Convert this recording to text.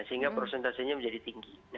sehingga prosentasenya menjadi tinggi